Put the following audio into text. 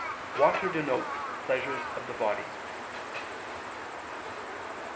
water denotes pleasures of the body.